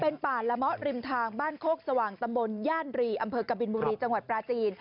เป็นป่าละมะริมทางบ้านโคกสว่างตำบลย่านรีอำเภอกบินบุรีจังหวัดปลาจีน